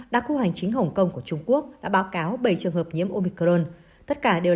đặc khu hành chính hồng kông của trung quốc đã báo cáo bảy trường hợp nhiễm omicron tất cả đều